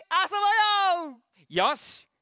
よし！